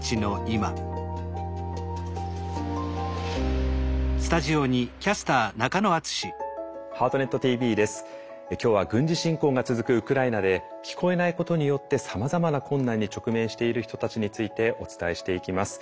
今日は軍事侵攻が続くウクライナで聞こえないことによってさまざまな困難に直面している人たちについてお伝えしていきます。